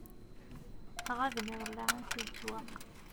Ɣaben iḍellaɛen si leswaq.